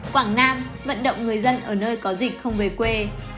quảng nam vận động người dân ở nơi có dịch không về quê